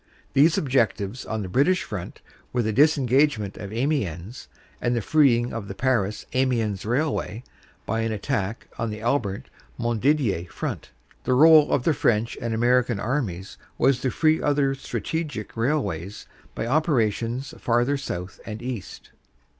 These objectives on the British front were the disengagement of Amiens and the freeing of the Paris Amiens railway by an attack on the Albert Montdidier front. The role of the French and American armies was to free other strategic railways by operations farther South and East.